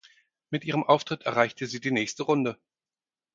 Mit ihrem Auftritt erreichte sie die nächste Runde.